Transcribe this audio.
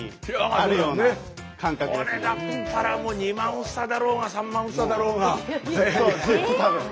これだったらもう２万房だろうが３万房だろうが。